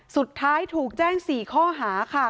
สุดท้ายถูกแจ้ง๔ข้อหาค่ะ